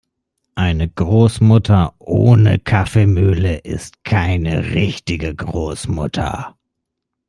Eine Großmutter ohne Kaffeemühle ist keine richtige Großmutter.